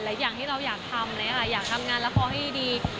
อะไรอย่างที่เราอยากทำนะคะอยากทำงานละครให้ดี